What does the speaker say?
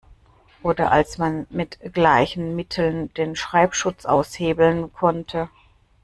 Oder als man mit gleichen Mitteln den Schreibschutz aushebeln konnte.